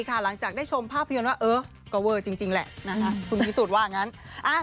หลังจากได้ชมภาพยนตร์ว่าเออก็เวอร์จริงแหละคุณพิสูจน์ว่างั้น